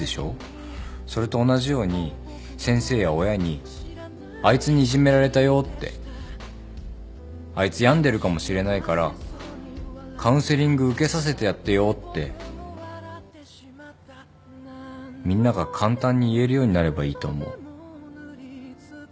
それと同じように先生や親に「あいつにいじめられたよ」って「あいつ病んでるかもしれないからカウンセリング受けさせてやってよ」ってみんなが簡単に言えるようになればいいと思う。